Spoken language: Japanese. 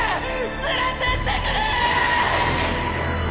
連れてってくれ！